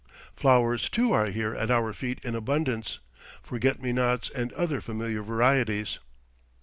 Flowers, too, are here at our feet in abundance, forget me nots and other familiar varieties.